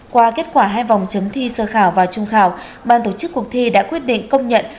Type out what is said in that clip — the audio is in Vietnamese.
qua kết quả hai vòng chấm thi sơ khảo và trung khảo ban tổ chức cuộc thi đã quyết định công nhận